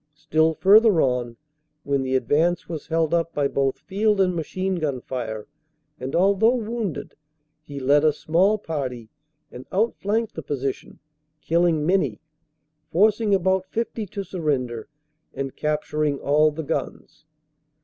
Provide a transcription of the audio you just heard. Still further on, when the advance was held up by both field and machine gun fire, and although wounded, he led a small party and outflanked the position, killing many, forcing about 50 to surrender and capturing all the guns.